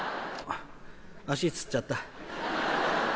足つっちゃった。